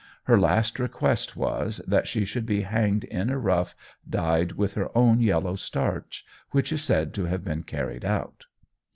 Her last request was, that she should be hanged in a ruff dyed with her own yellow starch, which is said to have been carried out.